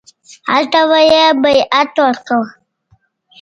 هلته به یې بیعت ورکاوه.